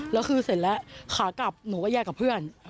แล้วคือเสร็จแล้วขากลับหนูก็แยกกับเพื่อน